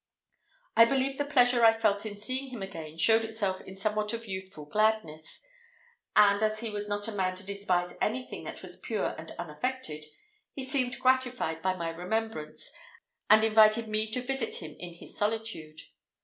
I believe the pleasure I felt in seeing him again showed itself in somewhat of youthful gladness; and as he was not a man to despise anything that was pure and unaffected, he seemed gratified by my remembrance, and invited me to visit him in his solitude.